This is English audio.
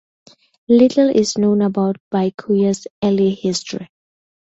Little is known about Byakuya's early history.